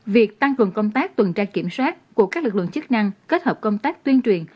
việc tăng cường công tác tuần tra kiểm soát của các lực lượng chức năng kết hợp công tác tuyên truyền